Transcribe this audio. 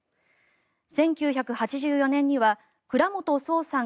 １９８４年には倉本聰さん